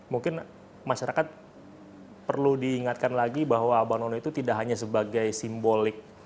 mungkin masyarakat perlu diingatkan lagi bahwa abang none itu tidak hanya sebagai simbolik